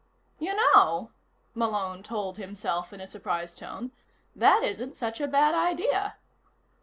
"You know," Malone told himself in a surprised tone, "that isn't such a bad idea."